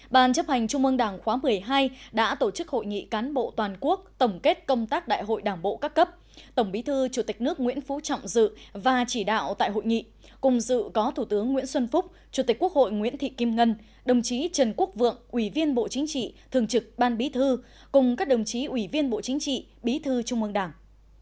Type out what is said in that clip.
bàn chấp hành trung mương đảng khóa một mươi hai đã tổ chức hội nghị cán bộ toàn quốc tổng kết công tác đại hội đảng bộ các cấp tổng bí thư chủ tịch nước nguyễn phú trọng dự và chỉ đạo tại hội nghị cùng dự có thủ tướng nguyễn xuân phúc chủ tịch quốc hội nguyễn thị kim ngân đồng chí trần quốc vượng ủy viên bộ chính trị thường trực ban bí thư cùng các đồng chí ủy viên bộ chính trị bí thư trung mương đảng